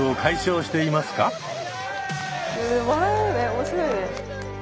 面白いね。